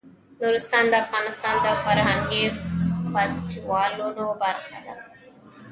نورستان د افغانستان د فرهنګي فستیوالونو برخه ده.